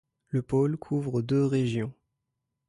Le pôle couvre deux régions.